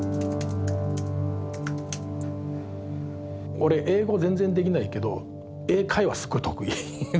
俺英語全然できないけど英会話すっごい得意で。